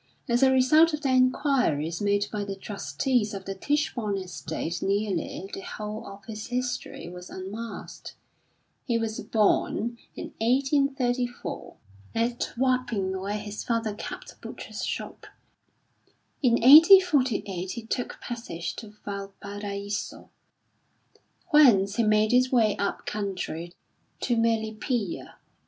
As a result of the enquiries made by the trustees of the Tichborne estate nearly the whole of his history was unmasked. He was born, in 1834, at Wapping where his father kept a butcher's shop. In 1848 he took passage to Valparaiso, whence he made his way up country to Melipilla.